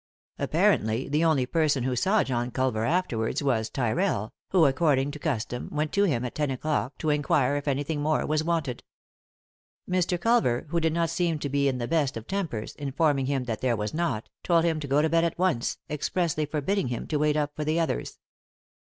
Apparently the only person who saw John Culver afterwards was Tyrrell, who, according to custom, went to him at ten o'clock, to inquire if anything more was wanted. Mr. Culver, who did not seem to be in the best of tempers, informing him that there was not, told him to go to bed at once, expressly forbidding him to wait up for the others.